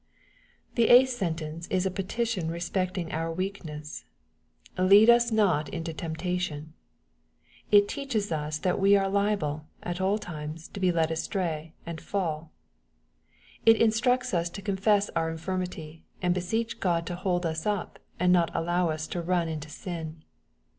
The eighth sentence is a petition respecting our iveah ness :" lead us not into temptation." It teaches us that we are liable, at aH times, to be led astray, and fall. It instructs us to confess our infirmity, and beseech God to hold us up, and not allow us to run into sin.